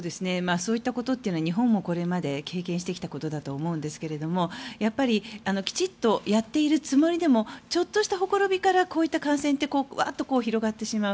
そういったことというのはこれまで日本も経験してきたことだと思うんですけれどもやっぱり、きちんとやっているつもりでもちょっとしたほころびからこういった感染はわーっと広がってしまう。